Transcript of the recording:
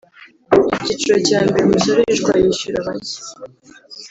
Icyiciro cya mbere Umusoreshwa yishyura macye